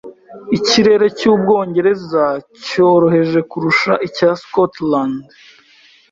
Ikirere cy’Ubwongereza cyoroheje kurusha icya Scotland.